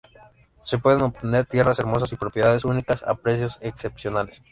Se pueden obtener tierras hermosas y propiedades únicas a precios excepcionales.